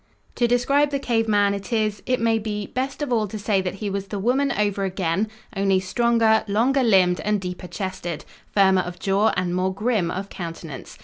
To describe the cave man it is, it may be, best of all to say that he was the woman over again, only stronger, longer limbed and deeper chested, firmer of jaw and more grim of countenance.